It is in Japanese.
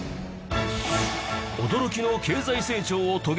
驚きの経済成長を遂げるインド